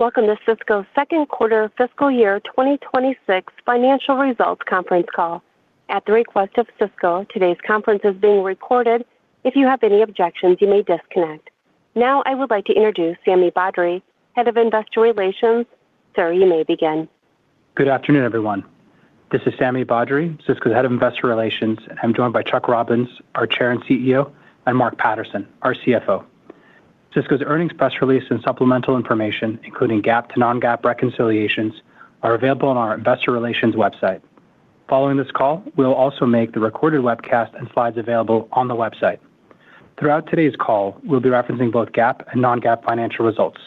Welcome to Cisco's Second Quarter Fiscal Year 2026 Financial Results conference call. At the request of Cisco, today's conference is being recorded. If you have any objections, you may disconnect. Now I would like to introduce Sami Badri, Head of Investor Relations. Sir, you may begin. Good afternoon, everyone. This is Sami Badri, Cisco's Head of Investor Relations. I'm joined by Chuck Robbins, our Chair and CEO; and Mark Patterson, our CFO. Cisco's earnings press release and supplemental information, including GAAP to non-GAAP reconciliations, are available on our investor relations website. Following this call, we'll also make the recorded webcast and slides available on the website. Throughout today's call, we'll be referencing both GAAP and non-GAAP financial results.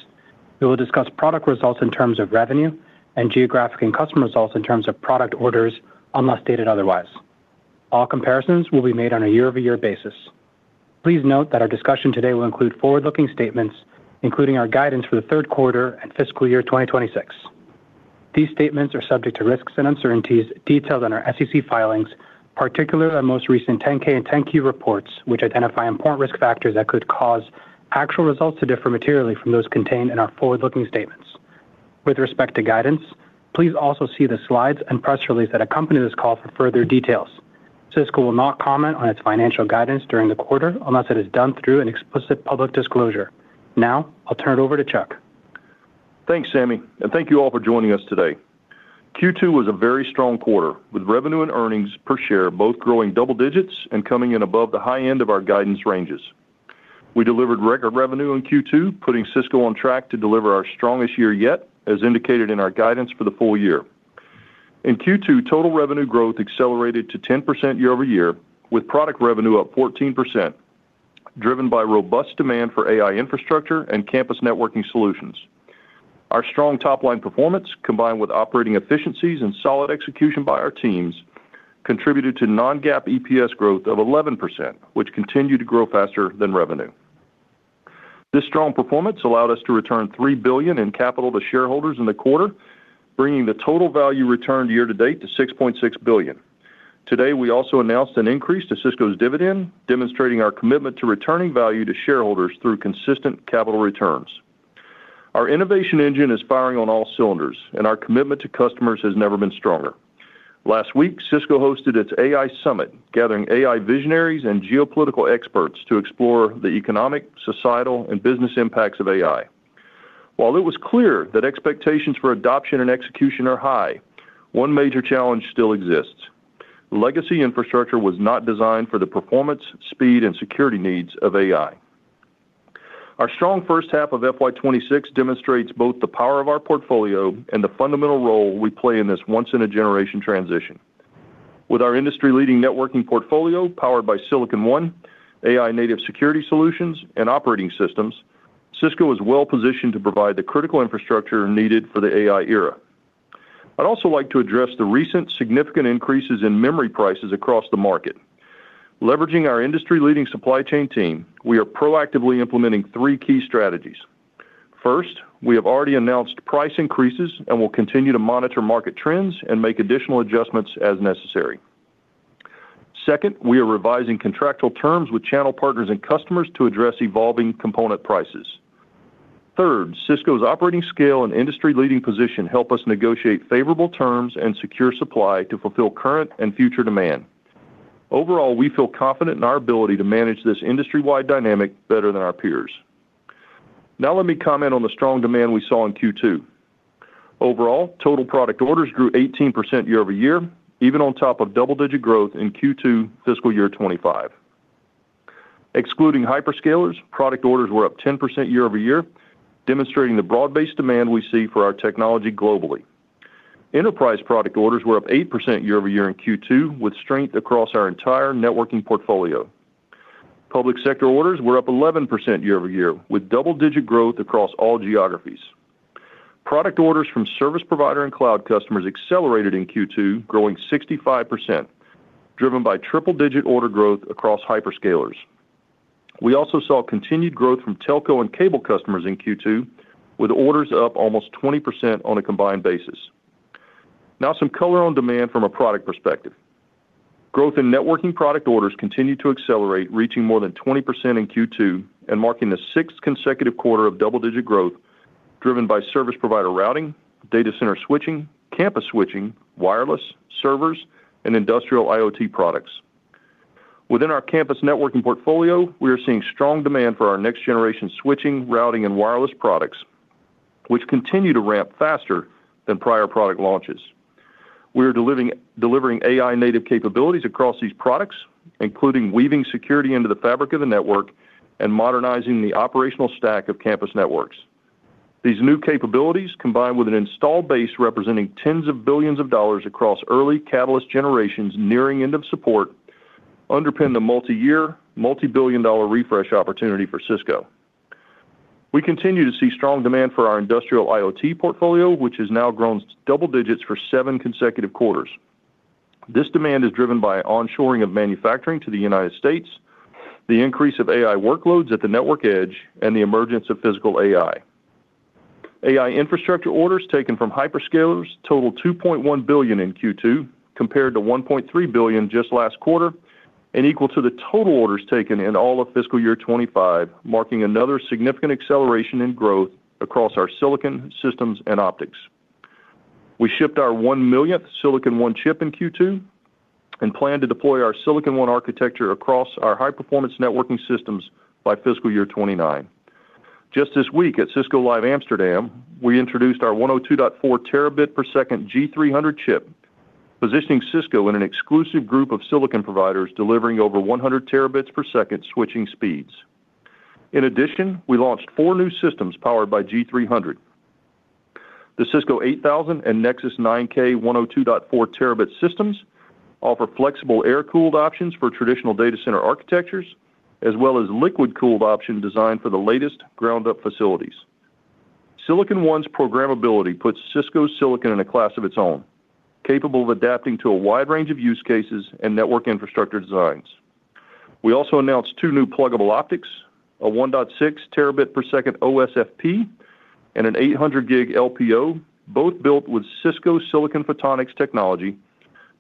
We will discuss product results in terms of revenue and geographic and customer results in terms of product orders, unless stated otherwise. All comparisons will be made on a year-over-year basis. Please note that our discussion today will include forward-looking statements, including our guidance for the third quarter and fiscal year 2026. These statements are subject to risks and uncertainties detailed in our SEC filings, particularly our most recent 10-K and 10-Q reports, which identify important risk factors that could cause actual results to differ materially from those contained in our forward-looking statements. With respect to guidance, please also see the slides and press release that accompany this call for further details. Cisco will not comment on its financial guidance during the quarter unless it is done through an explicit public disclosure. Now I'll turn it over to Chuck. Thanks, Sami, and thank you all for joining us today. Q2 was a very strong quarter with revenue and earnings per share both growing double digits and coming in above the high end of our guidance ranges. We delivered record revenue in Q2, putting Cisco on track to deliver our strongest year yet, as indicated in our guidance for the full year. In Q2, total revenue growth accelerated to 10% year over year, with product revenue up 14%, driven by robust demand for AI infrastructure and campus networking solutions. Our strong top-line performance, combined with operating efficiencies and solid execution by our teams, contributed to non-GAAP EPS growth of 11%, which continued to grow faster than revenue. This strong performance allowed us to return $3 billion in capital to shareholders in the quarter, bringing the total value returned year to date to $6.6 billion. Today, we also announced an increase to Cisco's dividend, demonstrating our commitment to returning value to shareholders through consistent capital returns. Our innovation engine is firing on all cylinders, and our commitment to customers has never been stronger. Last week, Cisco hosted its AI Summit, gathering AI visionaries and geopolitical experts to explore the economic, societal, and business impacts of AI. While it was clear that expectations for adoption and execution are high, one major challenge still exists. Legacy infrastructure was not designed for the performance, speed, and security needs of AI. Our strong first half of FY 2026 demonstrates both the power of our portfolio and the fundamental role we play in this once-in-a-generation transition. With our industry-leading networking portfolio powered by Silicon One, AI-native security solutions, and operating systems, Cisco is well-positioned to provide the critical infrastructure needed for the AI era. I'd also like to address the recent significant increases in memory prices across the market. Leveraging our industry-leading supply chain team, we are proactively implementing three key strategies. First, we have already announced price increases and will continue to monitor market trends and make additional adjustments as necessary. Second, we are revising contractual terms with channel partners and customers to address evolving component prices. Third, Cisco's operating scale and industry-leading position help us negotiate favorable terms and secure supply to fulfill current and future demand. Overall, we feel confident in our ability to manage this industry-wide dynamic better than our peers. Now let me comment on the strong demand we saw in Q2. Overall, total product orders grew 18% year-over-year, even on top of double-digit growth in Q2 fiscal year 2025. Excluding hyperscalers, product orders were up 10% year-over-year, demonstrating the broad-based demand we see for our technology globally. Enterprise product orders were up 8% year-over-year in Q2, with strength across our entire networking portfolio. Public sector orders were up 11% year-over-year, with double-digit growth across all geographies. Product orders from service provider and cloud customers accelerated in Q2, growing 65%, driven by triple-digit order growth across hyperscalers. We also saw continued growth from telco and cable customers in Q2, with orders up almost 20% on a combined basis. Now some color on demand from a product perspective. Growth in networking product orders continued to accelerate, reaching more than 20% in Q2 and marking the sixth consecutive quarter of double-digit growth, driven by service provider routing, data center switching, campus switching, wireless, servers, and industrial IoT products. Within our campus networking portfolio, we are seeing strong demand for our next-generation switching, routing, and wireless products, which continue to ramp faster than prior product launches. We are delivering AI-native capabilities across these products, including weaving security into the fabric of the network and modernizing the operational stack of campus networks. These new capabilities, combined with an installed base representing tens of billions of dollars across early Catalyst generations nearing end of support, underpin the multi-year, multi-billion-dollar refresh opportunity for Cisco. We continue to see strong demand for our industrial IoT portfolio, which has now grown double digits for seven consecutive quarters. This demand is driven by onshoring of manufacturing to the United States, the increase of AI workloads at the network edge, and the emergence of physical AI. AI infrastructure orders taken from hyperscalers totaled $2.1 billion in Q2, compared to $1.3 billion just last quarter, and equal to the total orders taken in all of fiscal year 2025, marking another significant acceleration in growth across our silicon systems and optics. We shipped our 1 millionth Silicon One chip in Q2 and plan to deploy our Silicon One architecture across our high-performance networking systems by fiscal year 2029. Just this week at Cisco Live Amsterdam, we introduced our 102.4 terabit per second G300 chip, positioning Cisco in an exclusive group of silicon providers delivering over 100 terabits per second switching speeds. In addition, we launched four new systems powered by G300. The Cisco 8000 and Nexus 9K 102.4 terabit systems offer flexible air-cooled options for traditional data center architectures, as well as liquid-cooled options designed for the latest ground-up facilities. Silicon One's programmability puts Cisco silicon in a class of its own, capable of adapting to a wide range of use cases and network infrastructure designs. We also announced two new pluggable optics, a 1.6 Tbps OSFP and an 800 G LPO, both built with Cisco silicon photonics technology,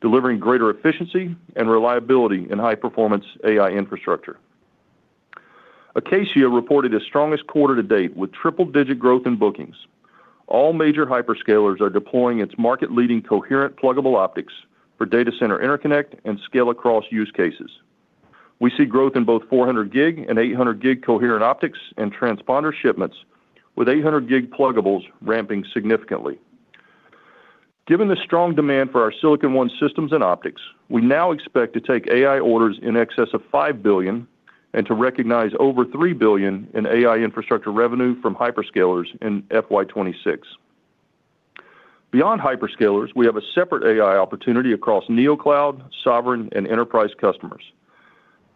delivering greater efficiency and reliability in high-performance AI infrastructure. Acacia reported its strongest quarter to date, with triple-digit growth in bookings. All major hyperscalers are deploying its market-leading coherent pluggable optics for data center interconnect and scale-across use cases. We see growth in both 400 G and 800 G coherent optics and transponder shipments, with 800 G pluggables ramping significantly. Given the strong demand for our Silicon One systems and optics, we now expect to take AI orders in excess of $5 billion and to recognize over $3 billion in AI infrastructure revenue from hyperscalers in FY 2026. Beyond hyperscalers, we have a separate AI opportunity across neocloud, sovereign, and enterprise customers.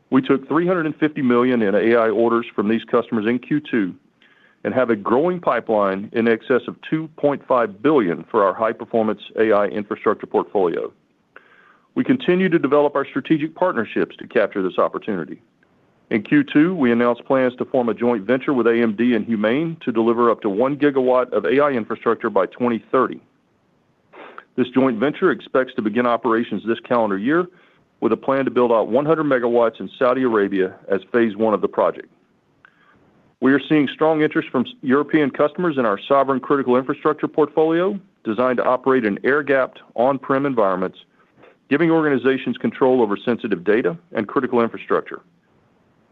We took $350 million in AI orders from these customers in Q2 and have a growing pipeline in excess of $2.5 billion for our high-performance AI infrastructure portfolio. We continue to develop our strategic partnerships to capture this opportunity. In Q2, we announced plans to form a joint venture with AMD and HUMAIN to deliver up to 1 GW of AI infrastructure by 2030. This joint venture expects to begin operations this calendar year, with a plan to build out 100 megawatts in Saudi Arabia as phase one of the project. We are seeing strong interest from European customers in our sovereign critical infrastructure portfolio, designed to operate in air-gapped on-prem environments, giving organizations control over sensitive data and critical infrastructure.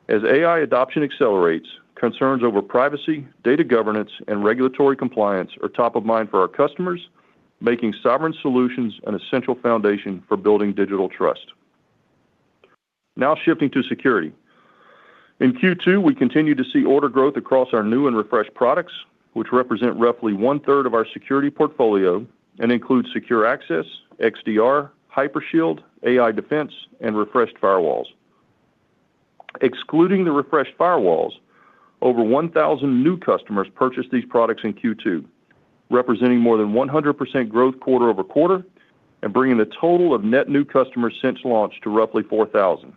As AI adoption accelerates, concerns over privacy, data governance, and regulatory compliance are top of mind for our customers, making sovereign solutions an essential foundation for building digital trust. Now shifting to security. In Q2, we continue to see order growth across our new and refreshed products, which represent roughly 1/3 of our security portfolio and include Secure Access, XDR, Hypershield, AI Defense, and refreshed firewalls. Excluding the refreshed firewalls, over 1,000 new customers purchased these products in Q2, representing more than 100% growth quarter-over-quarter and bringing the total of net new customers since launch to roughly 4,000.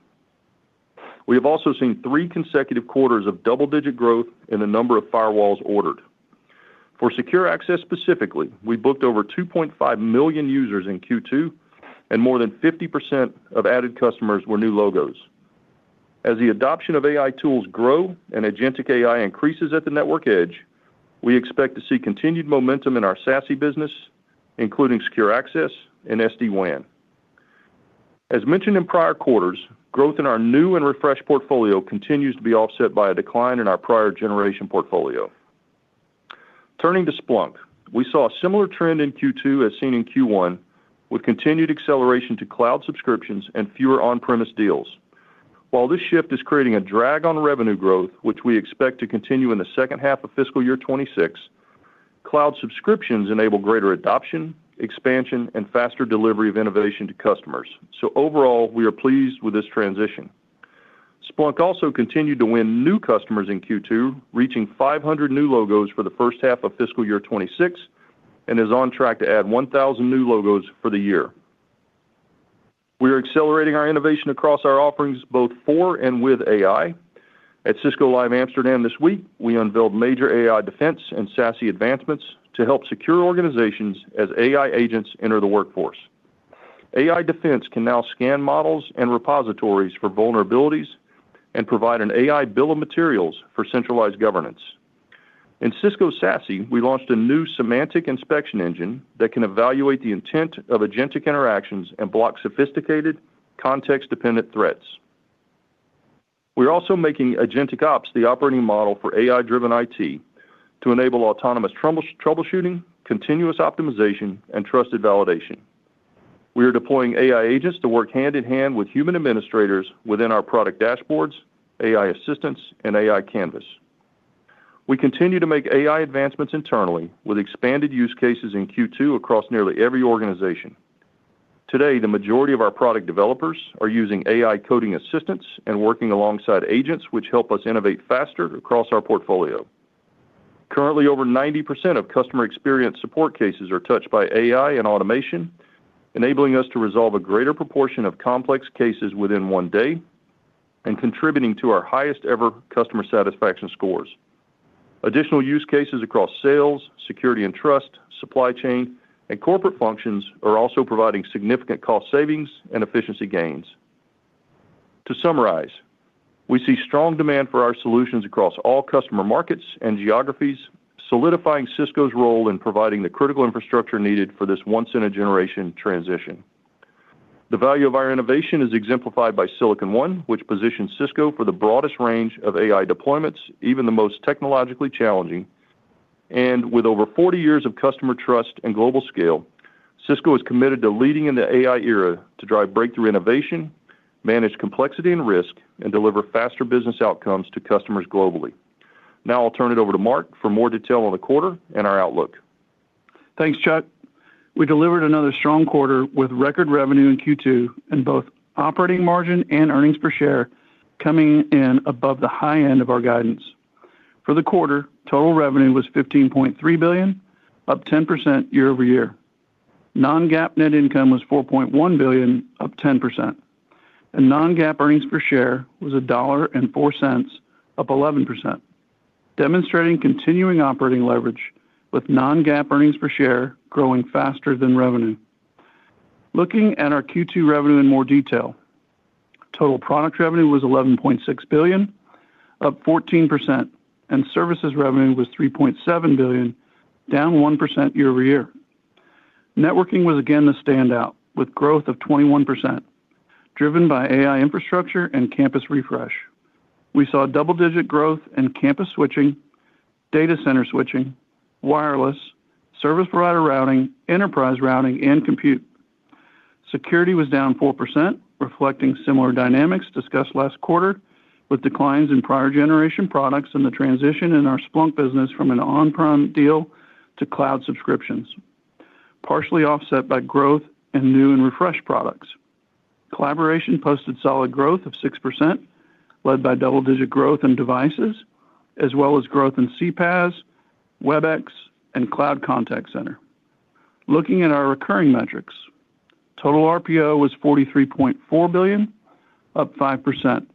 We have also seen three consecutive quarters of double-digit growth in the number of firewalls ordered. For Secure Access specifically, we booked over 2.5 million users in Q2, and more than 50% of added customers were new logos. As the adoption of AI tools grow and agentic AI increases at the network edge, we expect to see continued momentum in our SASE business, including Secure Access and SD-WAN. As mentioned in prior quarters, growth in our new and refreshed portfolio continues to be offset by a decline in our prior generation portfolio. Turning to Splunk, we saw a similar trend in Q2 as seen in Q1, with continued acceleration to cloud subscriptions and fewer on-premise deals. While this shift is creating a drag on revenue growth, which we expect to continue in the second half of fiscal year 2026, cloud subscriptions enable greater adoption, expansion, and faster delivery of innovation to customers. So overall, we are pleased with this transition. Splunk also continued to win new customers in Q2, reaching 500 new logos for the first half of fiscal year 2026, and is on track to add 1,000 new logos for the year. We are accelerating our innovation across our offerings, both for and with AI. At Cisco Live Amsterdam this week, we unveiled major AI Defense and SASE advancements to help secure organizations as AI agents enter the workforce. AI Defense can now scan models and repositories for vulnerabilities and provide an AI bill of materials for centralized governance. In Cisco SASE, we launched a new semantic inspection engine that can evaluate the intent of agentic interactions and block sophisticated, context-dependent threats. We are also making AgenticOps the operating model for AI-driven IT to enable autonomous troubleshooting, continuous optimization, and trusted validation. We are deploying AI agents to work hand in hand with human administrators within our product dashboards, AI assistants, and AI canvas. We continue to make AI advancements internally, with expanded use cases in Q2 across nearly every organization. Today, the majority of our product developers are using AI coding assistants and working alongside agents, which help us innovate faster across our portfolio. Currently, over 90% of customer experience support cases are touched by AI and automation, enabling us to resolve a greater proportion of complex cases within one day and contributing to our highest-ever customer satisfaction scores. Additional use cases across sales, security and trust, supply chain, and corporate functions are also providing significant cost savings and efficiency gains. To summarize, we see strong demand for our solutions across all customer markets and geographies, solidifying Cisco's role in providing the critical infrastructure needed for this once-in-a-generation transition. The value of our innovation is exemplified by Silicon One, which positions Cisco for the broadest range of AI deployments, even the most technologically challenging. With over 40 years of customer trust and global scale, Cisco is committed to leading in the AI era to drive breakthrough innovation, manage complexity and risk, and deliver faster business outcomes to customers globally. Now I'll turn it over to Mark for more detail on the quarter and our outlook. Thanks, Chuck. We delivered another strong quarter with record revenue in Q2, and both operating margin and earnings per share coming in above the high end of our guidance. For the quarter, total revenue was $15.3 billion, up 10% year-over-year. Non-GAAP net income was $4.1 billion, up 10%. And Non-GAAP earnings per share was $1.04, up 11%, demonstrating continuing operating leverage with Non-GAAP earnings per share growing faster than revenue. Looking at our Q2 revenue in more detail, total product revenue was $11.6 billion, up 14%, and services revenue was $3.7 billion, down 1% year-over-year. Networking was again the standout, with growth of 21%, driven by AI infrastructure and campus refresh. We saw double-digit growth in campus switching, data center switching, wireless, service provider routing, enterprise routing, and compute. Security was down 4%, reflecting similar dynamics discussed last quarter, with declines in prior generation products and the transition in our Splunk business from an on-prem deal to cloud subscriptions, partially offset by growth in new and refreshed products. Collaboration posted solid growth of 6%, led by double-digit growth in devices, as well as growth in CPaaS, Webex, and cloud contact center. Looking at our recurring metrics, total RPO was $43.4 billion, up 5%.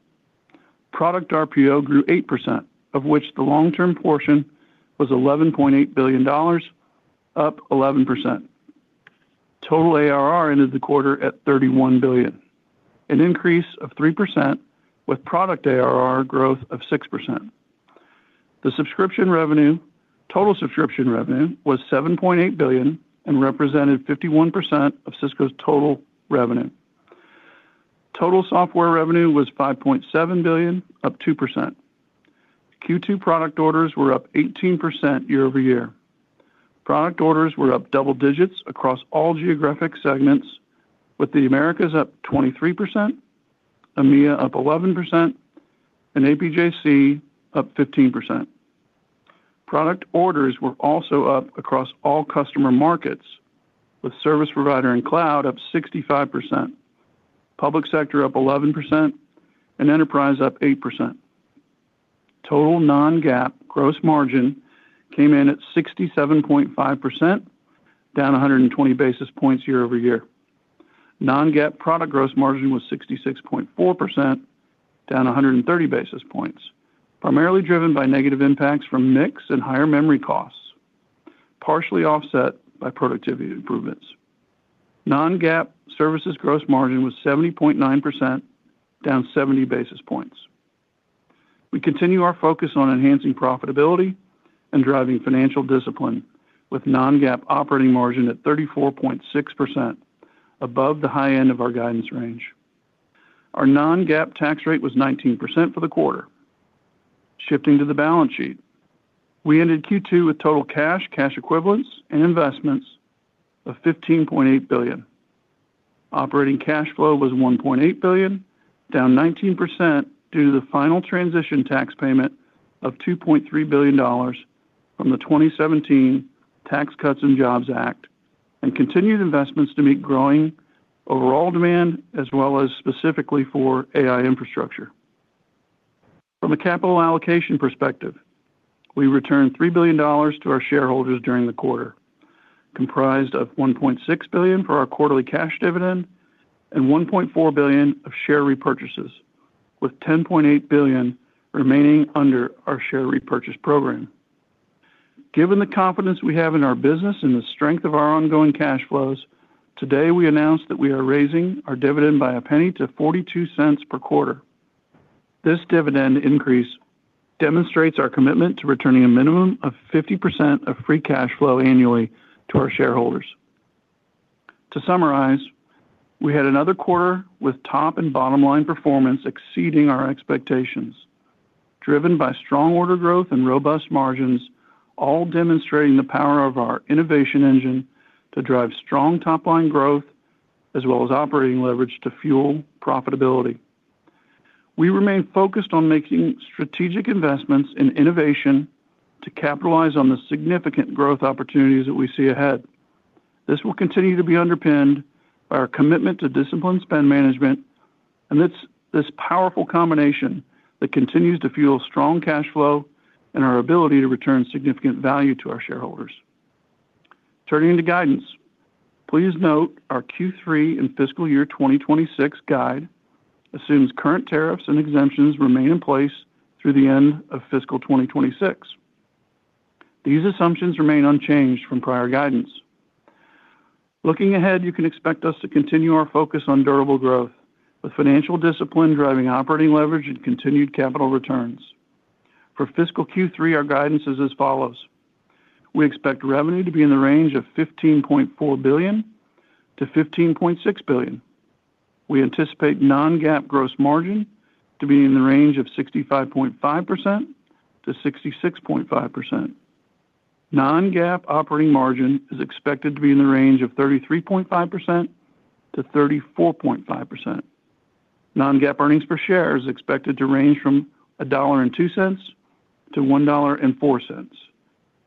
Product RPO grew 8%, of which the long-term portion was $11.8 billion, up 11%. Total ARR ended the quarter at $31 billion, an increase of 3%, with product ARR growth of 6%. The subscription revenue, total subscription revenue, was $7.8 billion and represented 51% of Cisco's total revenue. Total software revenue was $5.7 billion, up 2%. Q2 product orders were up 18% year-over-year. Product orders were up double digits across all geographic segments, with the Americas up 23%, EMEA up 11%, and APJC up 15%. Product orders were also up across all customer markets, with service provider and cloud up 65%, public sector up 11%, and enterprise up 8%. Total non-GAAP gross margin came in at 67.5%, down 120 basis points year-over-year. Non-GAAP product gross margin was 66.4%, down 130 basis points, primarily driven by negative impacts from mix and higher memory costs, partially offset by productivity improvements. Non-GAAP services gross margin was 70.9%, down 70 basis points. We continue our focus on enhancing profitability and driving financial discipline, with non-GAAP operating margin at 34.6%, above the high end of our guidance range. Our non-GAAP tax rate was 19% for the quarter. Shifting to the balance sheet, we ended Q2 with total cash, cash equivalents, and investments of $15.8 billion. Operating cash flow was $1.8 billion, down 19% due to the final transition tax payment of $2.3 billion from the 2017 Tax Cuts and Jobs Act, and continued investments to meet growing overall demand as well as specifically for AI infrastructure. From a capital allocation perspective, we returned $3 billion to our shareholders during the quarter, comprised of $1.6 billion for our quarterly cash dividend and $1.4 billion of share repurchases, with $10.8 billion remaining under our share repurchase program. Given the confidence we have in our business and the strength of our ongoing cash flows, today we announced that we are raising our dividend by a penny to $0.42 per quarter. This dividend increase demonstrates our commitment to returning a minimum of 50% of free cash flow annually to our shareholders. To summarize, we had another quarter with top and bottom line performance exceeding our expectations, driven by strong order growth and robust margins, all demonstrating the power of our innovation engine to drive strong top line growth as well as operating leverage to fuel profitability. We remain focused on making strategic investments in innovation to capitalize on the significant growth opportunities that we see ahead. This will continue to be underpinned by our commitment to disciplined spend management and this powerful combination that continues to fuel strong cash flow and our ability to return significant value to our shareholders. Turning to guidance, please note our Q3 and fiscal year 2026 guide assumes current tariffs and exemptions remain in place through the end of fiscal 2026. These assumptions remain unchanged from prior guidance. Looking ahead, you can expect us to continue our focus on durable growth, with financial discipline driving operating leverage and continued capital returns. For fiscal Q3, our guidance is as follows. We expect revenue to be in the range of $15.4 billion-$15.6 billion. We anticipate non-GAAP gross margin to be in the range of 65.5%-66.5%. Non-GAAP operating margin is expected to be in the range of 33.5%-34.5%. Non-GAAP earnings per share is expected to range from $1.02-$1.04.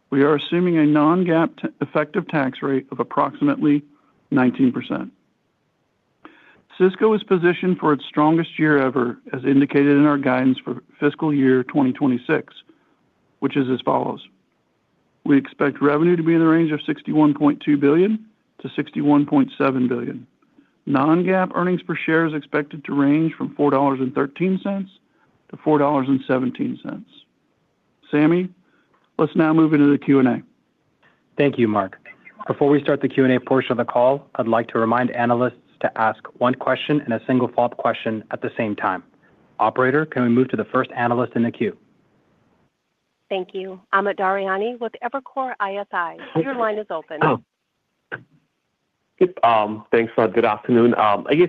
We are assuming a non-GAAP effective tax rate of approximately 19%. Cisco is positioned for its strongest year ever, as indicated in our guidance for fiscal year 2026, which is as follows. We expect revenue to be in the range of $61.2 billion-$61.7 billion. Non-GAAP earnings per share is expected to range from $4.13-$4.17. Sami, let's now move into the Q&A. Thank you, Mark. Before we start the Q&A portion of the call, I'd like to remind analysts to ask one question and a single follow-up question at the same time. Operator, can we move to the first analyst in the queue? Thank you. I'm Amit Daryanani with Evercore ISI. Your line is open. Thanks. Good afternoon. I guess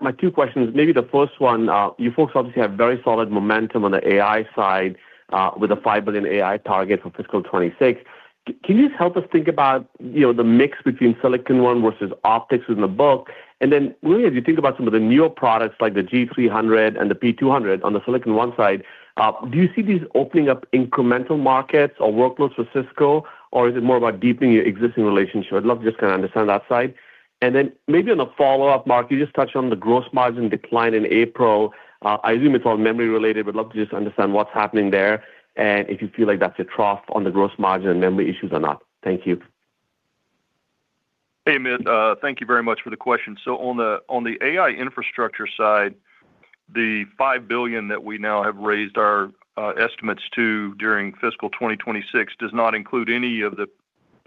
my two questions. Maybe the first one, you folks obviously have very solid momentum on the AI side with a $5 billion AI target for fiscal 2026. Can you just help us think about the mix between Silicon One versus optics in the book? And then, will you, as you think about some of the newer products like the G300 and the P200 on the Silicon One side, do you see these opening up incremental markets or workloads for Cisco, or is it more about deepening your existing relationship? I'd love to just kind of understand that side. And then maybe on a follow-up, Mark, you just touched on the gross margin decline in April. I assume it's all memory-related, but I'd love to just understand what's happening there and if you feel like that's a trough on the gross margin and memory issues or not. Thank you. Hey, Amit. Thank you very much for the question. So on the AI infrastructure side, the $5 billion that we now have raised our estimates to during fiscal 2026 does not include any of the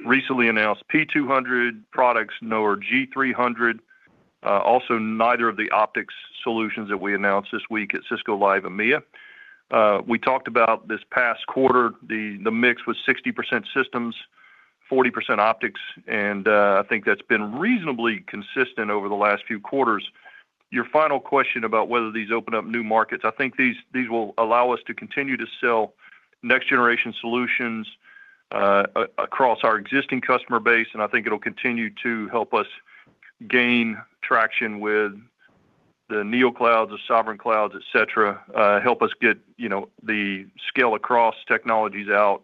recently announced P200 products, nor G300, also neither of the optics solutions that we announced this week at Cisco Live EMEA. We talked about this past quarter, the mix was 60% systems, 40% optics, and I think that's been reasonably consistent over the last few quarters. Your final question about whether these open up new markets, I think these will allow us to continue to sell next-generation solutions across our existing customer base, and I think it'll continue to help us gain traction with the neoclouds or sovereign clouds, etc., help us get the scale-across technologies out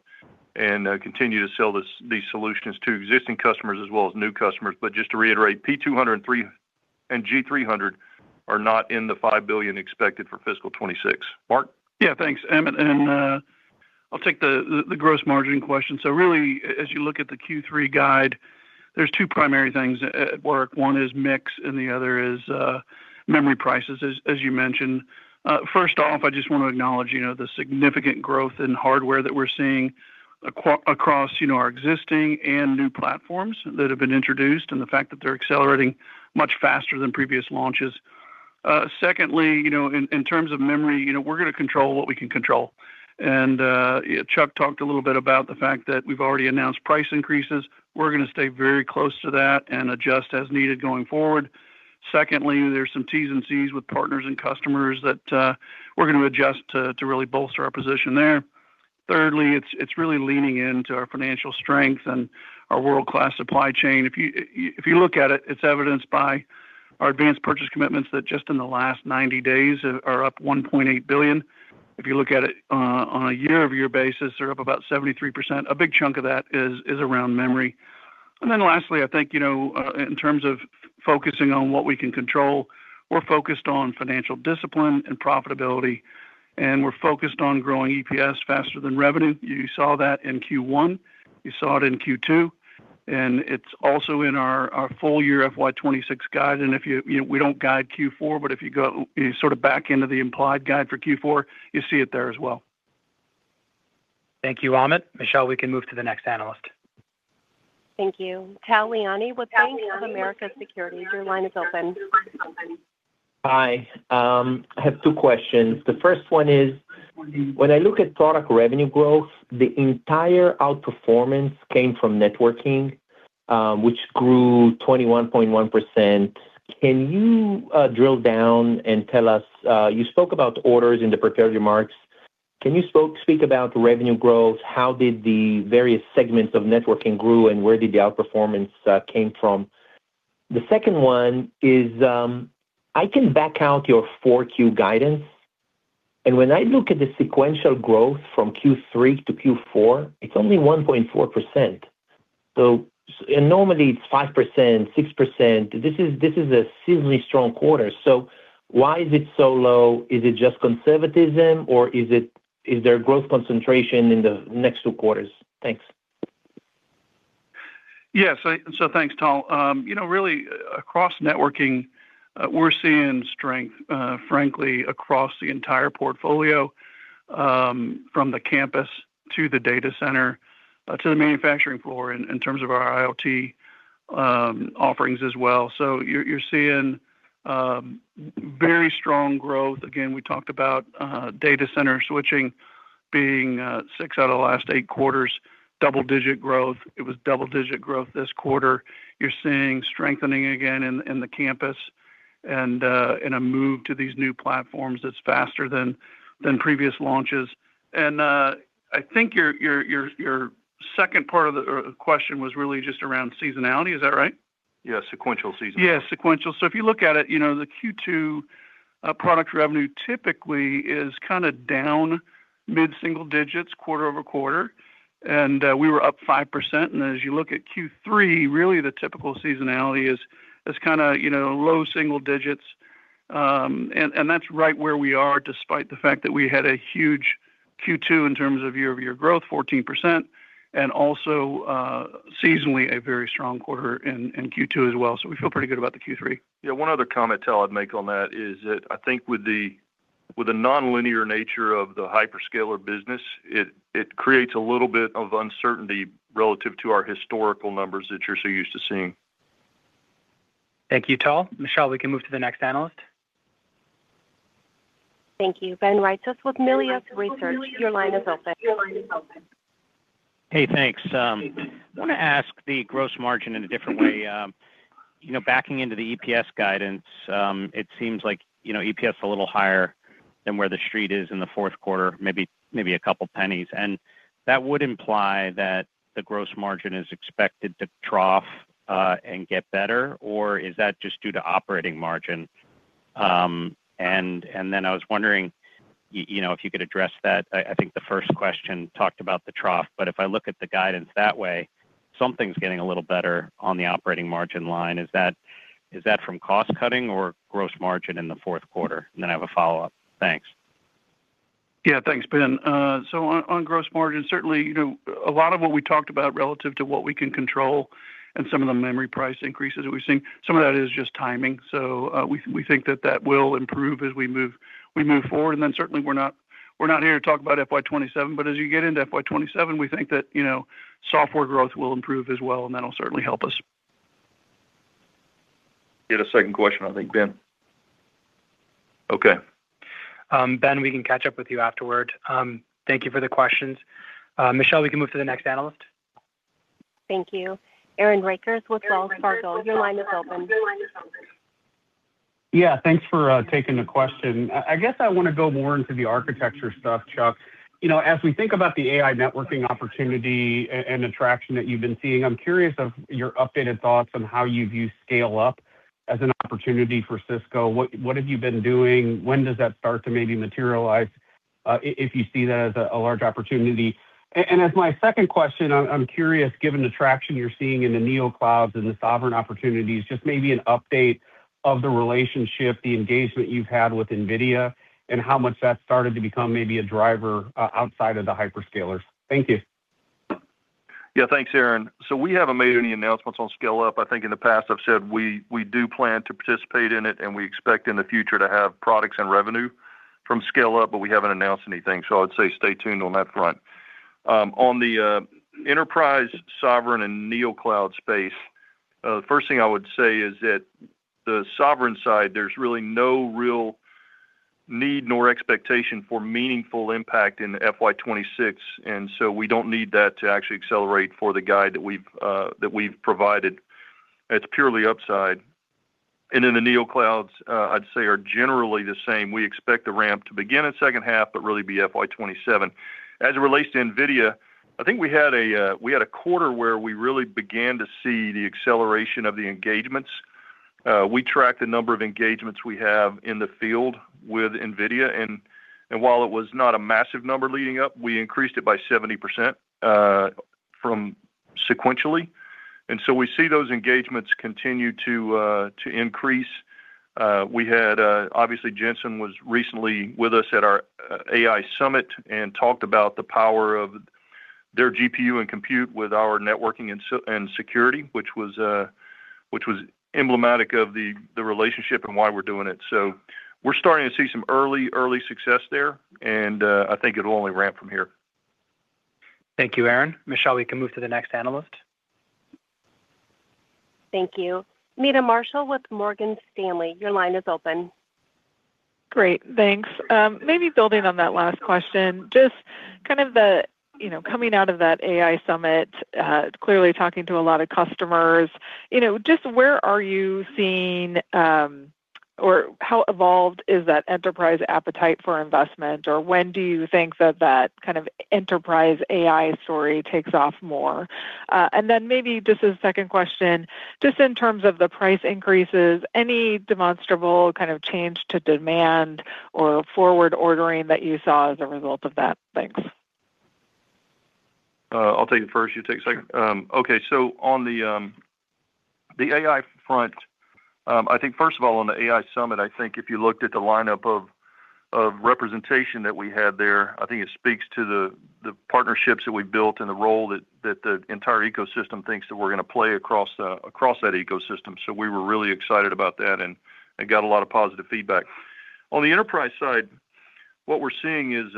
and continue to sell these solutions to existing customers as well as new customers. But just to reiterate, P200 and G300 are not in the $5 billion expected for fiscal 2026. Mark? Yeah, thanks, Amit. And I'll take the gross margin question. So really, as you look at the Q3 guide, there's two primary things at work. One is mix and the other is memory prices, as you mentioned. First off, I just want to acknowledge the significant growth in hardware that we're seeing across our existing and new platforms that have been introduced and the fact that they're accelerating much faster than previous launches. Secondly, in terms of memory, we're going to control what we can control. And Chuck talked a little bit about the fact that we've already announced price increases. We're going to stay very close to that and adjust as needed going forward. Secondly, there's some T's and C's with partners and customers that we're going to adjust to really bolster our position there. Thirdly, it's really leaning into our financial strength and our world-class supply chain. If you look at it, it's evidenced by our advanced purchase commitments that just in the last 90 days are up $1.8 billion. If you look at it on a year-over-year basis, they're up about 73%. A big chunk of that is around memory. And then lastly, I think in terms of focusing on what we can control, we're focused on financial discipline and profitability, and we're focused on growing EPS faster than revenue. You saw that in Q1. You saw it in Q2. And it's also in our full year FY 2026 guide. And we don't guide Q4, but if you go sort of back into the implied guide for Q4, you see it there as well. Thank you, Amit. Michelle, we can move to the next analyst. Thank you. Tal Liani, with Bank of America Securities. Your line is open. Hi. I have two questions. The first one is, when I look at product revenue growth, the entire outperformance came from networking, which grew 21.1%. Can you drill down and tell us? You spoke about orders in the prepared remarks. Can you speak about revenue growth? How did the various segments of networking grow, and where did the outperformance come from? The second one is, I can back out your 4Q guidance. When I look at the sequential growth from Q3 to Q4, it's only 1.4%. Normally, it's 5%, 6%. This is a seasonally strong quarter. So why is it so low? Is it just conservatism, or is there growth concentration in the next two quarters? Thanks. Yeah. So thanks, Tal. Really, across networking, we're seeing strength, frankly, across the entire portfolio, from the campus to the data center to the manufacturing floor in terms of our IoT offerings as well. So you're seeing very strong growth. Again, we talked about data center switching being six out of the last eight quarters, double-digit growth. It was double-digit growth this quarter. You're seeing strengthening again in the campus and a move to these new platforms that's faster than previous launches. I think your second part of the question was really just around seasonality. Is that right? Yeah, sequential seasonality. Yeah, sequential. So if you look at it, the Q2 product revenue typically is kind of down mid-single digits quarter-over-quarter. And we were up 5%. And as you look at Q3, really, the typical seasonality is kind of low single digits. And that's right where we are despite the fact that we had a huge Q2 in terms of year-over-year growth, 14%, and also seasonally a very strong quarter in Q2 as well. So we feel pretty good about the Q3. Yeah. One other comment, Tal, I'd make on that is that I think with the nonlinear nature of the hyperscaler business, it creates a little bit of uncertainty relative to our historical numbers that you're so used to seeing. Thank you, Tal. Michelle, we can move to the next analyst. Thank you. Ben Reitzes with Melius Research. Your line is open. Hey, thanks. I want to ask the gross margin in a different way. Backing into the EPS guidance, it seems like EPS is a little higher than where the street is in the fourth quarter, maybe a couple pennies. And that would imply that the gross margin is expected to trough and get better, or is that just due to operating margin? And then I was wondering if you could address that. I think the first question talked about the trough. But if I look at the guidance that way, something's getting a little better on the operating margin line. Is that from cost cutting or gross margin in the fourth quarter? And then I have a follow-up. Thanks. Yeah, thanks, Ben. So on gross margin, certainly, a lot of what we talked about relative to what we can control and some of the memory price increases that we've seen, some of that is just timing. So we think that that will improve as we move forward. And then certainly, we're not here to talk about FY 2027. But as you get into FY 2027, we think that software growth will improve as well, and that'll certainly help us. Get a second question, I think, Ben. Okay. Ben, we can catch up with you afterward. Thank you for the questions. Michelle, we can move to the next analyst. Thank you. Aaron Rakers with Wells Fargo. Your line is open. Yeah. Thanks for taking the question. I guess I want to go more into the architecture stuff, Chuck. As we think about the AI networking opportunity and attraction that you've been seeing, I'm curious of your updated thoughts on how you view scale-up as an opportunity for Cisco. What have you been doing? When does that start to maybe materialize if you see that as a large opportunity? And as my second question, I'm curious, given the traction you're seeing in the neoclouds and the sovereign opportunities, just maybe an update of the relationship, the engagement you've had with NVIDIA, and how much that's started to become maybe a driver outside of the hyperscalers. Thank you. Yeah. Thanks, Aaron. So we haven't made any announcements on scale-up. I think in the past, I've said we do plan to participate in it, and we expect in the future to have products and revenue from scale-up, but we haven't announced anything. So I would say stay tuned on that front. On the enterprise, sovereign, and neocloud space, the first thing I would say is that the sovereign side, there's really no real need nor expectation for meaningful impact in FY 2026. And so we don't need that to actually accelerate for the guide that we've provided. It's purely upside. And then the neoclouds, I'd say, are generally the same. We expect the ramp to begin in second half but really be FY 2027. As it relates to NVIDIA, I think we had a quarter where we really began to see the acceleration of the engagements. We track the number of engagements we have in the field with NVIDIA. And while it was not a massive number leading up, we increased it by 70% sequentially. And so we see those engagements continue to increase. Obviously, Jensen was recently with us at our AI summit and talked about the power of their GPU and compute with our networking and security, which was emblematic of the relationship and why we're doing it. So we're starting to see some early success there, and I think it'll only ramp from here. Thank you, Aaron. Michelle, we can move to the next analyst. Thank you. Meta Marshall with Morgan Stanley. Your line is open. Great. Thanks. Maybe building on that last question, just kind of the coming out of that AI summit, clearly talking to a lot of customers, just where are you seeing or how evolved is that enterprise appetite for investment, or when do you think that that kind of enterprise AI story takes off more? And then maybe just as a second question, just in terms of the price increases, any demonstrable kind of change to demand or forward ordering that you saw as a result of that? Thanks. I'll take it first. You take a second. Okay. On the AI front, I think first of all, on the AI summit, I think if you looked at the lineup of representation that we had there, I think it speaks to the partnerships that we built and the role that the entire ecosystem thinks that we're going to play across that ecosystem. We were really excited about that and got a lot of positive feedback. On the enterprise side, what we're seeing is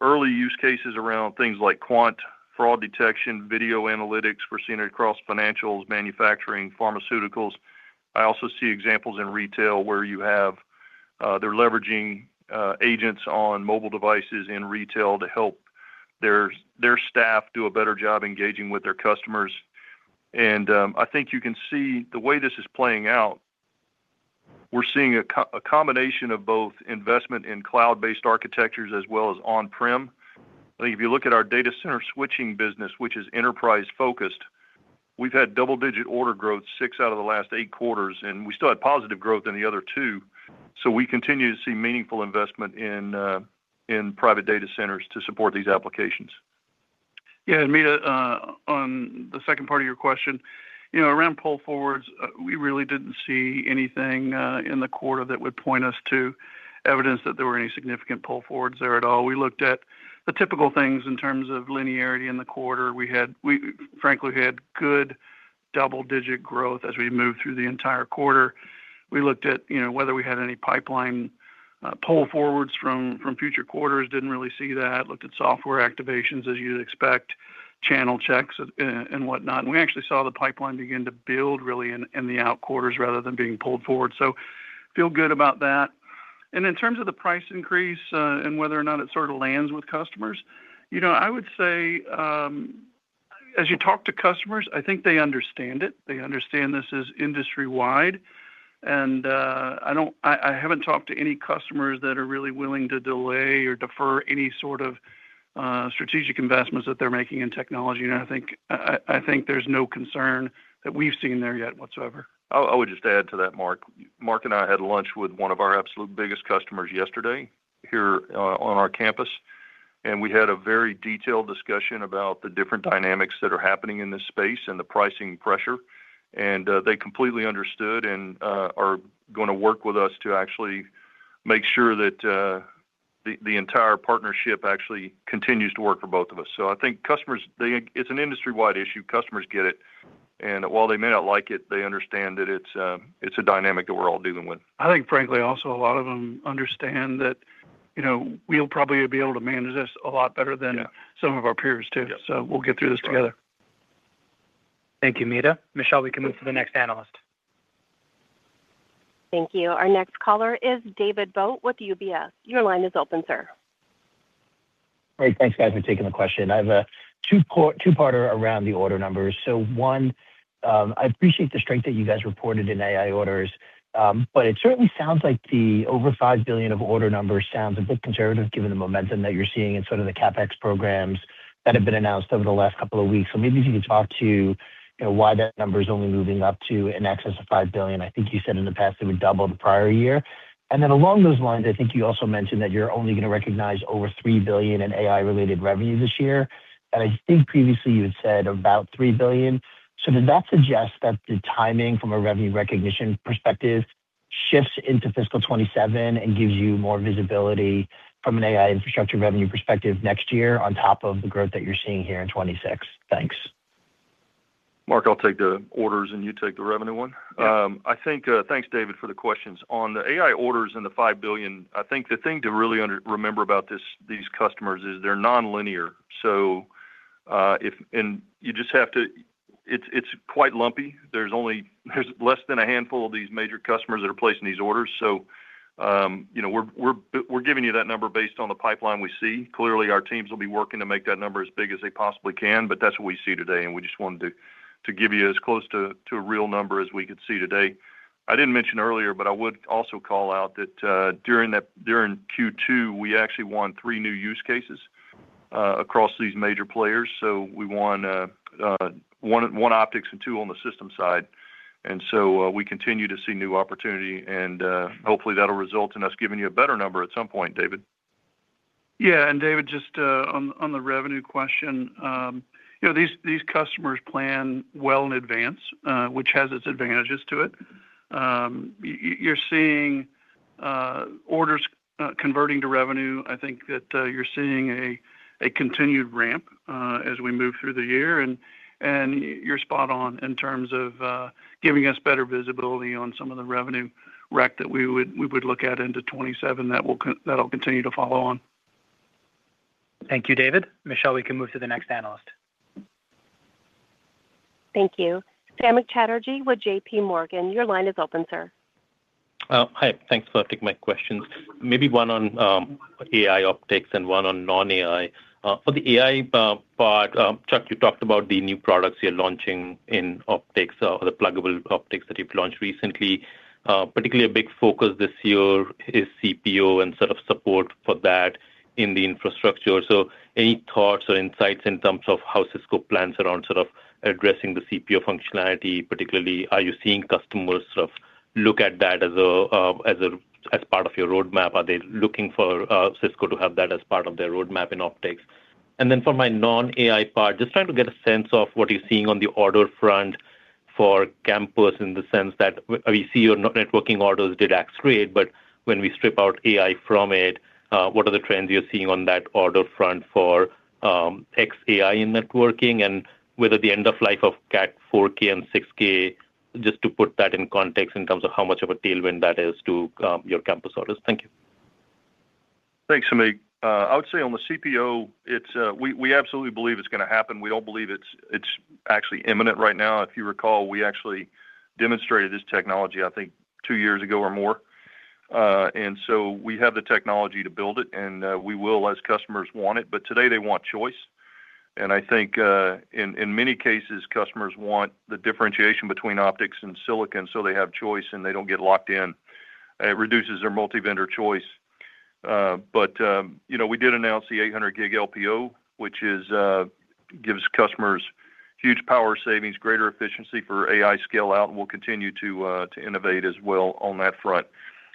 early use cases around things like quant, fraud detection, video analytics. We're seeing it across financials, manufacturing, pharmaceuticals. I also see examples in retail where they're leveraging agents on mobile devices in retail to help their staff do a better job engaging with their customers. I think you can see the way this is playing out, we're seeing a combination of both investment in cloud-based architectures as well as on-prem. I think if you look at our data center switching business, which is enterprise-focused, we've had double-digit order growth six out of the last eight quarters, and we still had positive growth in the other two. We continue to see meaningful investment in private data centers to support these applications. Yeah. Meta, on the second part of your question, around pull forwards, we really didn't see anything in the quarter that would point us to evidence that there were any significant pull forwards there at all. We looked at the typical things in terms of linearity in the quarter. Frankly, we had good double-digit growth as we moved through the entire quarter. We looked at whether we had any pipeline pull forwards from future quarters. Didn't really see that. Looked at software activations, as you'd expect, channel checks, and whatnot. And we actually saw the pipeline begin to build really in the out quarters rather than being pulled forward. So feel good about that. And in terms of the price increase and whether or not it sort of lands with customers, I would say as you talk to customers, I think they understand it. They understand this is industry-wide. I haven't talked to any customers that are really willing to delay or defer any sort of strategic investments that they're making in technology. And I think there's no concern that we've seen there yet whatsoever. I would just add to that, Mark. Mark and I had lunch with one of our absolute biggest customers yesterday here on our campus. And we had a very detailed discussion about the different dynamics that are happening in this space and the pricing pressure. And they completely understood and are going to work with us to actually make sure that the entire partnership actually continues to work for both of us. So I think customers, it's an industry-wide issue. Customers get it. And while they may not like it, they understand that it's a dynamic that we're all dealing with. I think, frankly, also a lot of them understand that we'll probably be able to manage this a lot better than some of our peers too. So we'll get through this together. Thank you, Meta. Michelle, we can move to the next analyst. Thank you. Our next caller is David Vogt with UBS. Your line is open, sir. All right. Thanks, guys, for taking the question. I have a two-parter around the order numbers. So one, I appreciate the strength that you guys reported in AI orders. But it certainly sounds like the over $5 billion of order numbers sounds a bit conservative given the momentum that you're seeing in sort of the CapEx programs that have been announced over the last couple of weeks. So maybe if you could talk to why that number is only moving up to in excess of $5 billion. I think you said in the past it would double the prior year. And then along those lines, I think you also mentioned that you're only going to recognize over $3 billion in AI-related revenue this year. And I think previously you had said about $3 billion. So does that suggest that the timing from a revenue recognition perspective shifts into fiscal 2027 and gives you more visibility from an AI infrastructure revenue perspective next year on top of the growth that you're seeing here in 2026? Thanks. Mark, I'll take the orders, and you take the revenue one. Thanks, David, for the questions. On the AI orders and the $5 billion, I think the thing to really remember about these customers is they're nonlinear. And you just have to it's quite lumpy. There's less than a handful of these major customers that are placing these orders. So we're giving you that number based on the pipeline we see. Clearly, our teams will be working to make that number as big as they possibly can. But that's what we see today. And we just wanted to give you as close to a real number as we could see today. I didn't mention earlier, but I would also call out that during Q2, we actually won three new use cases across these major players. So we won one optics and two on the system side. We continue to see new opportunity. Hopefully, that'll result in us giving you a better number at some point, David. Yeah. And David, just on the revenue question, these customers plan well in advance, which has its advantages to it. You're seeing orders converting to revenue. I think that you're seeing a continued ramp as we move through the year. And you're spot on in terms of giving us better visibility on some of the revenue rec that we would look at into 2027 that'll continue to follow on. Thank you, David. Michelle, we can move to the next analyst. Thank you. Samik Chatterjee with JPMorgan. Your line is open, sir. Hi. Thanks for asking my questions. Maybe one on AI optics and one on non-AI. For the AI part, Chuck, you talked about the new products you're launching in optics or the pluggable optics that you've launched recently. Particularly, a big focus this year is CPO and sort of support for that in the infrastructure. So any thoughts or insights in terms of how Cisco plans around sort of addressing the CPO functionality, particularly, are you seeing customers sort of look at that as part of your roadmap? Are they looking for Cisco to have that as part of their roadmap in optics? And then for my non-AI part, just trying to get a sense of what you're seeing on the order front for campus in the sense that we see your networking orders did act great. But when we strip out AI from it, what are the trends you're seeing on that order front for XAI in networking and whether the end of life of Cat 4K and 6K, just to put that in context in terms of how much of a tailwind that is to your campus orders? Thank you. Thanks, Amit. I would say on the CPO, we absolutely believe it's going to happen. We don't believe it's actually imminent right now. If you recall, we actually demonstrated this technology, I think, two years ago or more. And so we have the technology to build it, and we will as customers want it. But today, they want choice. And I think in many cases, customers want the differentiation between optics and silicon so they have choice and they don't get locked in. It reduces their multi-vendor choice. But we did announce the 800 G LPO, which gives customers huge power savings, greater efficiency for AI scale-out, and will continue to innovate as well on that front.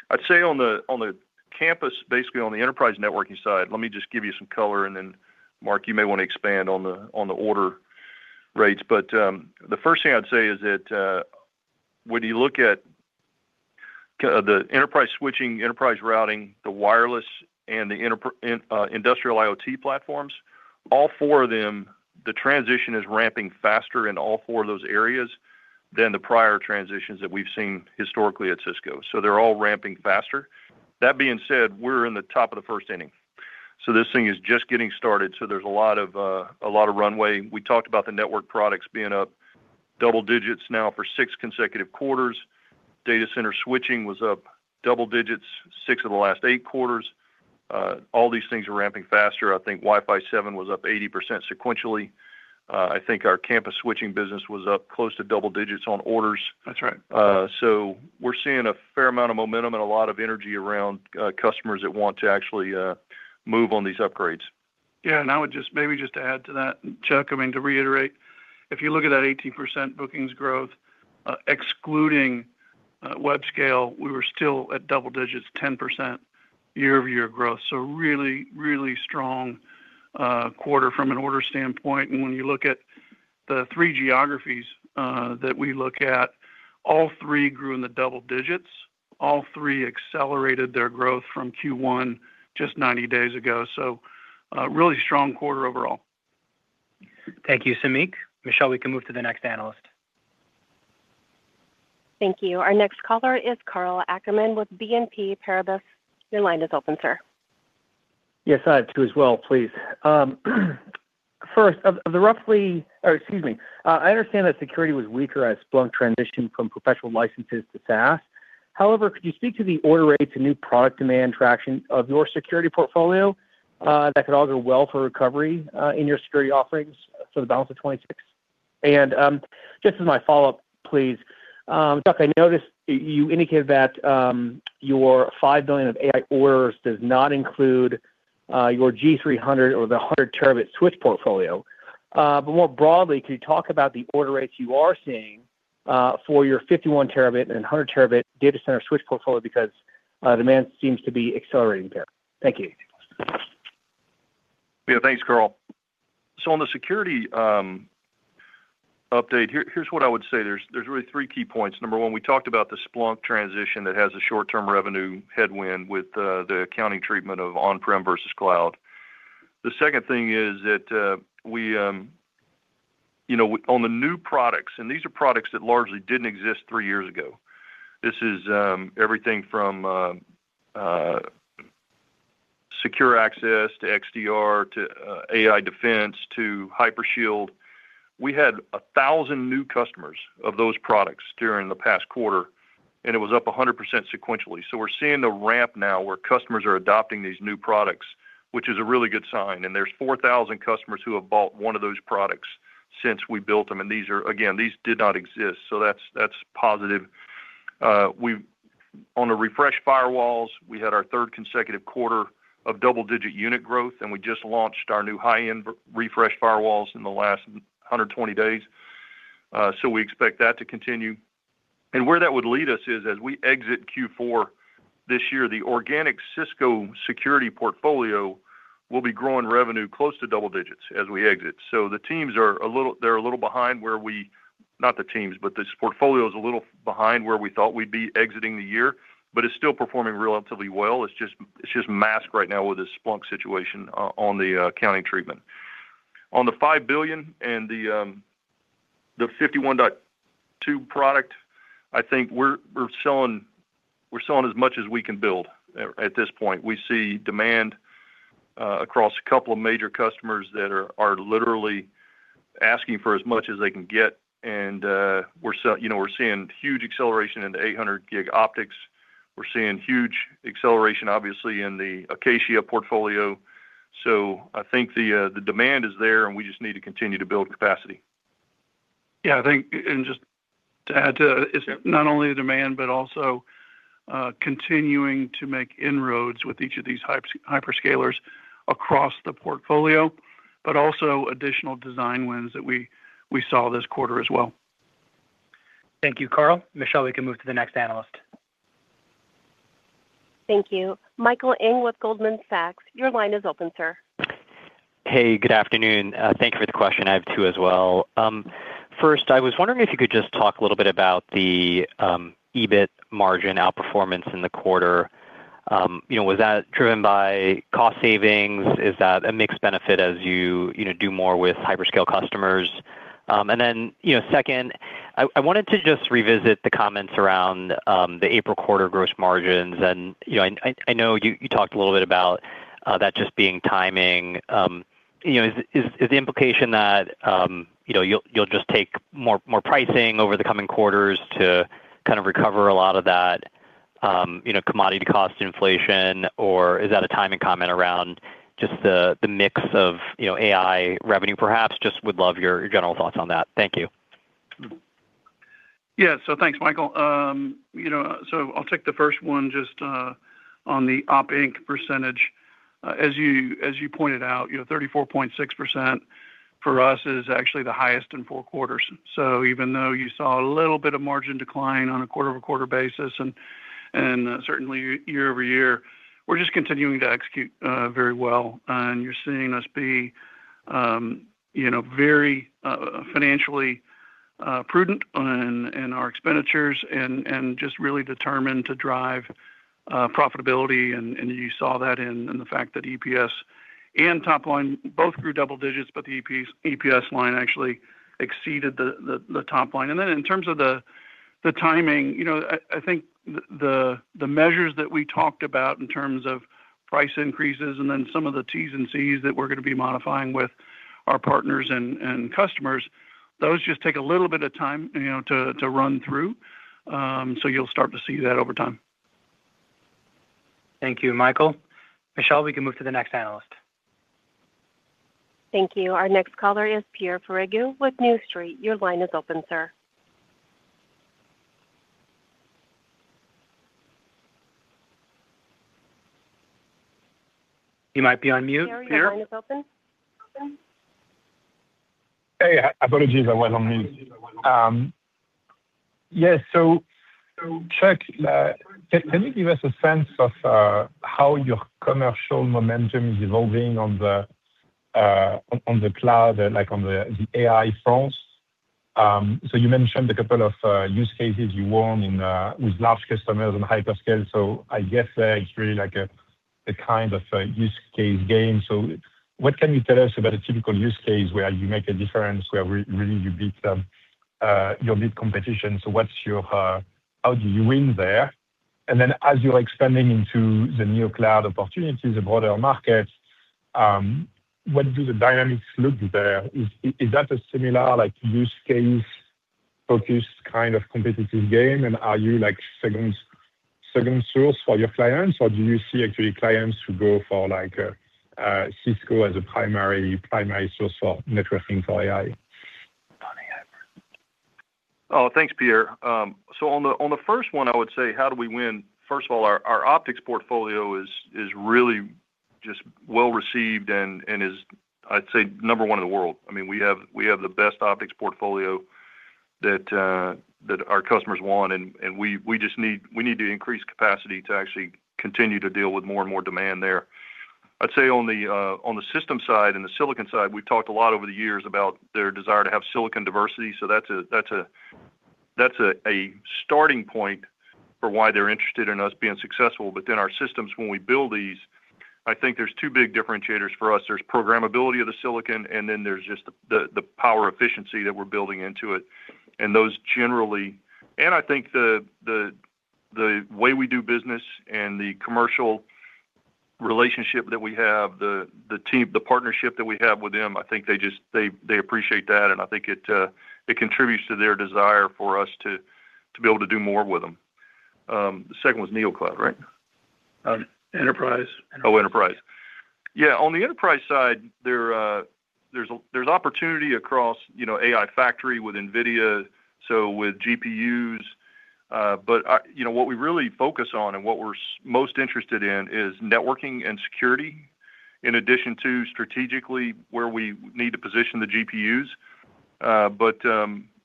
I'd say on the campus, basically on the enterprise networking side let me just give you some color. And then, Mark, you may want to expand on the order rates. But the first thing I'd say is that when you look at the enterprise switching, enterprise routing, the wireless, and the industrial IoT platforms, all four of them, the transition is ramping faster in all four of those areas than the prior transitions that we've seen historically at Cisco. So they're all ramping faster. That being said, we're in the top of the first inning. So this thing is just getting started. So there's a lot of runway. We talked about the network products being up double digits now for six consecutive quarters. Data center switching was up double digits, six of the last eight quarters. All these things are ramping faster. I think Wi-Fi 7 was up 80% sequentially. I think our campus switching business was up close to double digits on orders. We're seeing a fair amount of momentum and a lot of energy around customers that want to actually move on these upgrades. Yeah. And I would maybe just add to that, Chuck, I mean, to reiterate, if you look at that 18% bookings growth, excluding web scale, we were still at double digits, 10% year-over-year growth. So really, really strong quarter from an order standpoint. And when you look at the three geographies that we look at, all three grew in the double digits. All three accelerated their growth from Q1 just 90 days ago. So really strong quarter overall. Thank you, Samik. Michelle, we can move to the next analyst. Thank you. Our next caller is Karl Ackerman with BNP Paribas. Your line is open, sir. Yes, I have to as well, please. First, excuse me. I understand that security was weaker as Splunk transitioned from professional licenses to SaaS. However, could you speak to the order rates and new product demand traction of your security portfolio that could augur wealth or recovery in your security offerings for the balance of 2026? And just as my follow-up, please, Chuck, I noticed you indicated that your $5 billion of AI orders does not include your G300 or the 100-terabyte switch portfolio. But more broadly, could you talk about the order rates you are seeing for your 51-terabyte and 100-terabyte data center switch portfolio because demand seems to be accelerating there? Thank you. Yeah. Thanks, Karl. So on the security update, here's what I would say. There's really three key points. Number 1, we talked about the Splunk transition that has a short-term revenue headwind with the accounting treatment of on-prem versus cloud. The second thing is that on the new products, and these are products that largely didn't exist three years ago, this is everything from Secure Access to XDR to AI Defense to Hypershield. We had 1,000 new customers of those products during the past quarter, and it was up 100% sequentially. So we're seeing a ramp now where customers are adopting these new products, which is a really good sign. And there's 4,000 customers who have bought one of those products since we built them. And again, these did not exist. So that's positive. On the refresh firewalls, we had our third consecutive quarter of double-digit unit growth, and we just launched our new high-end refresh firewalls in the last 120 days. So we expect that to continue. And where that would lead us is as we exit Q4 this year, the organic Cisco security portfolio will be growing revenue close to double digits as we exit. So the teams are a little, they're a little behind where we, not the teams, but this portfolio is a little behind where we thought we'd be exiting the year, but it's still performing relatively well. It's just masked right now with this Splunk situation on the accounting treatment. On the 5 billion and the 51.2 product, I think we're selling as much as we can build at this point. We see demand across a couple of major customers that are literally asking for as much as they can get. We're seeing huge acceleration in the 800 G optics. We're seeing huge acceleration, obviously, in the Acacia portfolio. I think the demand is there, and we just need to continue to build capacity. Yeah. Just to add to that, it's not only the demand, but also continuing to make inroads with each of these hyperscalers across the portfolio, but also additional design wins that we saw this quarter as well. Thank you, Karl. Michelle, we can move to the next analyst. Thank you. Michael Ng with Goldman Sachs, your line is open, sir. Hey, good afternoon. Thank you for the question. I have two as well. First, I was wondering if you could just talk a little bit about the EBIT margin outperformance in the quarter. Was that driven by cost savings? Is that a mixed benefit as you do more with hyperscale customers? And then second, I wanted to just revisit the comments around the April quarter gross margins. And I know you talked a little bit about that just being timing. Is the implication that you'll just take more pricing over the coming quarters to kind of recover a lot of that commodity cost inflation, or is that a timing comment around just the mix of AI revenue perhaps? Just would love your general thoughts on that. Thank you. Yeah. So thanks, Michael. So I'll take the first one just on the OpInc percentage. As you pointed out, 34.6% for us is actually the highest in four quarters. So even though you saw a little bit of margin decline on a quarter-over-quarter basis and certainly year over year, we're just continuing to execute very well. And you're seeing us be very financially prudent in our expenditures and just really determined to drive profitability. And you saw that in the fact that EPS and top line both grew double digits, but the EPS line actually exceeded the top line. And then in terms of the timing, I think the measures that we talked about in terms of price increases and then some of the Ts and Cs that we're going to be modifying with our partners and customers, those just take a little bit of time to run through. You'll start to see that over time. Thank you, Michael. Michelle, we can move to the next analyst. Thank you. Our next caller is Pierre Ferragu with New Street. Your line is open, sir. You might be on mute, Pierre. Yeah. Your line is open. Hey. I apologize. I went on mute. Yes. So Chuck, can you give us a sense of how your commercial momentum is evolving on the cloud, like on the AI front? So you mentioned a couple of use cases you won with large customers and hyperscale. So I guess it's really a kind of use case game. So what can you tell us about a typical use case where you make a difference, where really you beat your competition? So how do you win there? And then as you're expanding into the new cloud opportunities, the broader markets, what do the dynamics look like there? Is that a similar use case-focused kind of competitive game? And are you a second source for your clients, or do you see actually clients who go for Cisco as a primary source for networking for AI? On AI. Oh, thanks, Pierre. So on the first one, I would say, how do we win? First of all, our optics portfolio is really just well-received and is, I'd say, number one in the world. I mean, we have the best optics portfolio that our customers want, and we just need to increase capacity to actually continue to deal with more and more demand there. I'd say on the system side and the silicon side, we've talked a lot over the years about their desire to have silicon diversity. So that's a starting point for why they're interested in us being successful. But then our systems, when we build these, I think there's two big differentiators for us. There's programmability of the silicon, and then there's just the power efficiency that we're building into it. I think the way we do business and the commercial relationship that we have, the partnership that we have with them, I think they appreciate that. I think it contributes to their desire for us to be able to do more with them. The second was neocloud, right? Enterprise. Oh, enterprise. Yeah. On the enterprise side, there's opportunity across AI Factory with NVIDIA, so with GPUs. But what we really focus on and what we're most interested in is networking and security in addition to strategically where we need to position the GPUs. But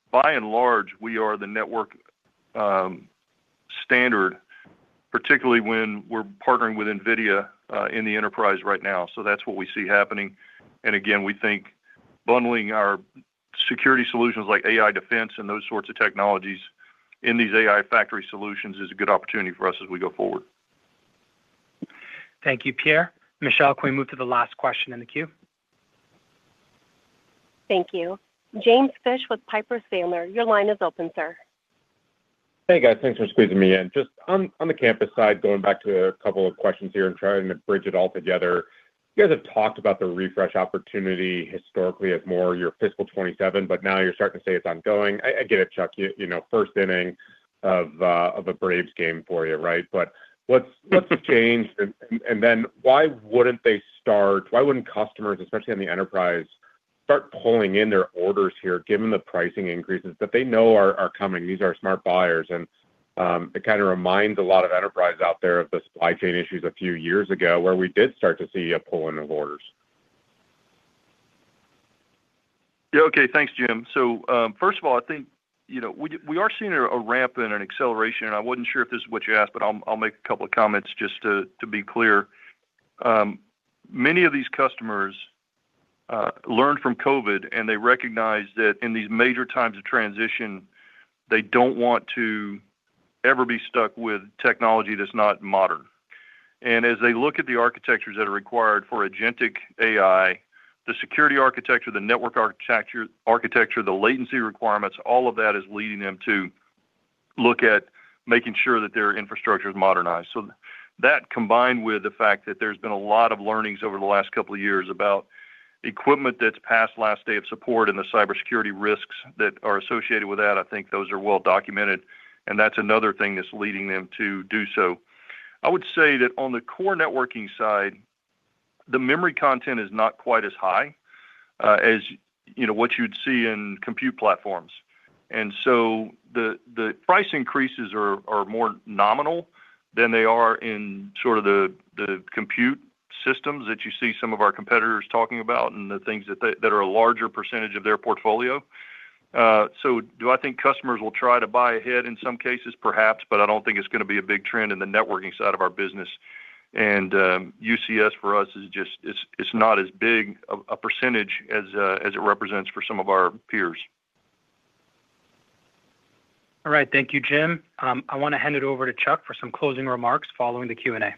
by and large, we are the network standard, particularly when we're partnering with NVIDIA in the enterprise right now. So that's what we see happening. And again, we think bundling our security solutions like AI Defense and those sorts of technologies in these AI Factory solutions is a good opportunity for us as we go forward. Thank you, Pierre. Michelle, can we move to the last question in the queue? Thank you. James Fish with Piper Sandler, your line is open, sir. Hey, guys. Thanks for squeezing me in. Just on the campus side, going back to a couple of questions here and trying to bridge it all together. You guys have talked about the refresh opportunity historically as more your fiscal 2027, but now you're starting to say it's ongoing. I get it, Chuck. First inning of a Braves game for you, right? But what's changed? And then why wouldn't customers, especially on the enterprise, start pulling in their orders here given the pricing increases that they know are coming? These are smart buyers. And it kind of reminds a lot of enterprise out there of the supply chain issues a few years ago where we did start to see a pull-in of orders. Yeah. Okay. Thanks, James. So first of all, I think we are seeing a ramp and an acceleration. And I wasn't sure if this is what you asked, but I'll make a couple of comments just to be clear. Many of these customers learned from COVID, and they recognize that in these major times of transition, they don't want to ever be stuck with technology that's not modern. And as they look at the architectures that are required for agentic AI, the security architecture, the network architecture, the latency requirements, all of that is leading them to look at making sure that their infrastructure is modernized. So that combined with the fact that there's been a lot of learnings over the last couple of years about equipment that's passed last day of support and the cybersecurity risks that are associated with that, I think those are well documented. And that's another thing that's leading them to do so. I would say that on the core networking side, the memory content is not quite as high as what you'd see in compute platforms. And so the price increases are more nominal than they are in sort of the compute systems that you see some of our competitors talking about and the things that are a larger percentage of their portfolio. So do I think customers will try to buy ahead in some cases, perhaps, but I don't think it's going to be a big trend in the networking side of our business. And UCS for us, it's not as big a percentage as it represents for some of our peers. All right. Thank you, James. I want to hand it over to Chuck for some closing remarks following the Q&A.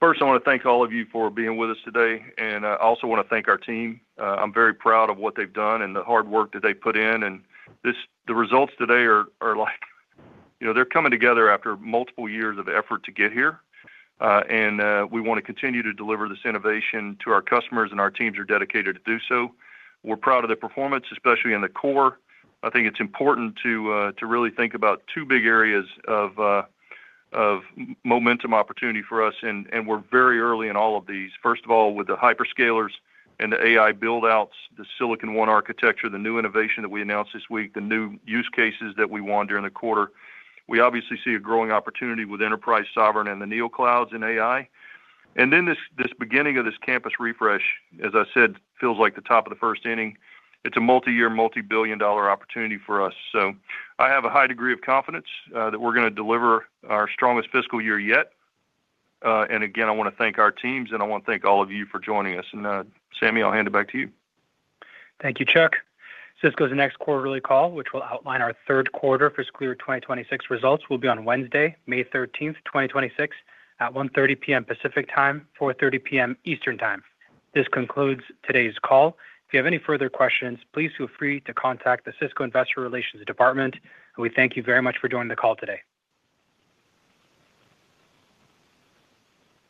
First, I want to thank all of you for being with us today. And I also want to thank our team. I'm very proud of what they've done and the hard work that they put in. And the results today are. They're coming together after multiple years of effort to get here. And we want to continue to deliver this innovation to our customers, and our teams are dedicated to do so. We're proud of the performance, especially in the core. I think it's important to really think about two big areas of momentum opportunity for us. And we're very early in all of these. First of all, with the hyperscalers and the AI buildouts, the Silicon One architecture, the new innovation that we announced this week, the new use cases that we won during the quarter, we obviously see a growing opportunity with enterprise sovereign and the neoclouds in AI. And then this beginning of this campus refresh, as I said, feels like the top of the first inning. It's a multi-year, multi-billion-dollar opportunity for us. So I have a high degree of confidence that we're going to deliver our strongest fiscal year yet. And again, I want to thank our teams, and I want to thank all of you for joining us. And Sami, I'll hand it back to you. Thank you, Chuck. Cisco's next quarterly call, which will outline our third quarter fiscal year 2026 results, will be on Wednesday, May 13th, 2026, at 1:30 P.M. Pacific Time, 4:30 P.M. Eastern Time. This concludes today's call. If you have any further questions, please feel free to contact the Cisco Investor Relations Department. We thank you very much for joining the call today.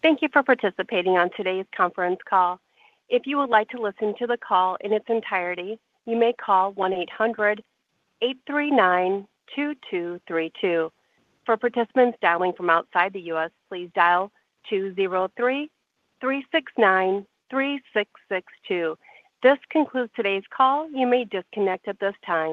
Thank you for participating on today's conference call. If you would like to listen to the call in its entirety, you may call 1-800-839-2232. For participants dialing from outside the U.S., please dial 203-369-3662. This concludes today's call. You may disconnect at this time.